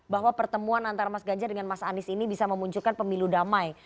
bahwa pertemuan antara mas ganjar dengan mas anies ini bisa memunculkan pemilu damai